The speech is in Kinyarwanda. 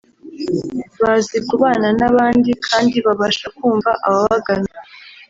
bazi kubana n’abandi kandi babasha kumva ababagana